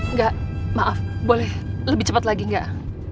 nggak maaf boleh lebih cepat lagi nggak